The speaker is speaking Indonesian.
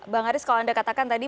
bang haris kalau anda katakan tadi